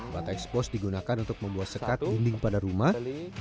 bata ekspos digunakan untuk membuat sekat dinding pada rumah